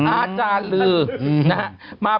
อาจารย์ลือนะฮะ